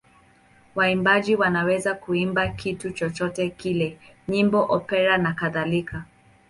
Waimbaji wanaweza kuimba kitu chochote kile: nyimbo, opera nakadhalika.